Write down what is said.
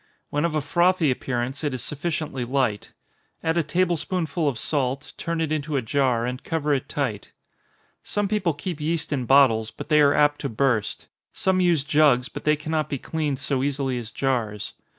When of a frothy appearance, it is sufficiently light. Add a table spoonful of salt, turn it into a jar, and cover it tight. Some people keep yeast in bottles, but they are apt to burst some use jugs, but they cannot be cleaned so easily as jars.